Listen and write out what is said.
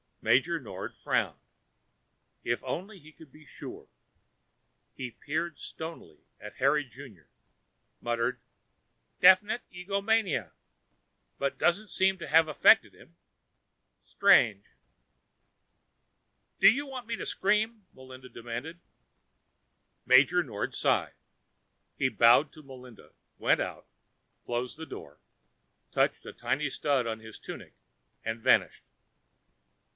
Major Nord frowned. If only he could be sure. He peered stonily at Harry Junior, murmured, "Definite egomania. It doesn't seem to have affected him. Strange." "Do you want me to scream?" Melinda demanded. Major Nord sighed. He bowed to Melinda, went out, closed the door, touched a tiny stud on his tunic, and vanished.